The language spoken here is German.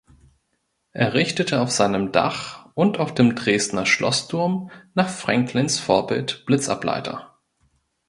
Errichtete auf seinem Dach und auf dem Dresdner Schlossturm nach Franklins Vorbild Blitzableiter.